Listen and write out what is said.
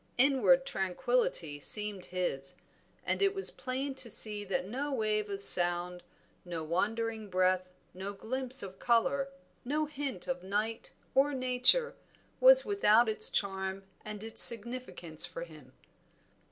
Inward tranquillity seemed his, and it was plain to see that no wave of sound, no wandering breath, no glimpse of color, no hint of night or nature was without its charm and its significance for him.